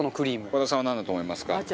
和田さんはなんだと思いますか？